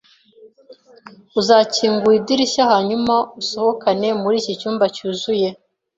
Uzakingura idirishya hanyuma usohokane muri iki cyumba cyuzuye?